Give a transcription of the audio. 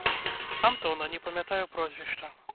Антона, не памятаю прозвішча.